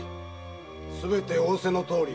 すべて仰せのとおりに。